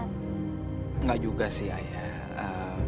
nggak juga sih ayah